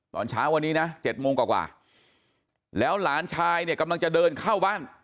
ตอนเช้าวันนี้นะ๗โมงกว่าแล้วหลานชายเนี่ยกำลังจะเดินเข้าบ้าน